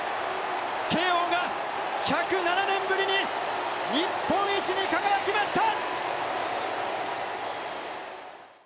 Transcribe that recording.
慶応が１０７年ぶりに日本一に輝きました！